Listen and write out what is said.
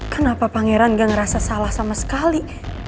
kenapa pangeran gak ngerasa salah sama sekali